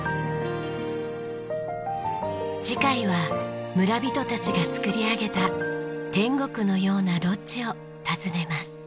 次回は村人たちが造り上げた天国のようなロッジを訪ねます。